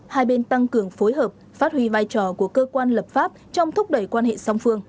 hai bên tăng cường phối hợp phát huy vai trò của cơ quan lập pháp trong thúc đẩy quan hệ song phương